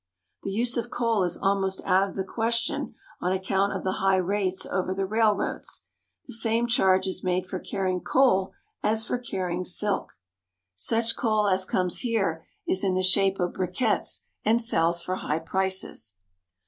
The use of coal is almost out of the question on account of the high rates over the railroads. The same charge is made for carrying coal as for carrying silk. Such coal 33 THE HOLY LAND AND SYRIA as comes here is in the shape of briquettes and sells for high prices.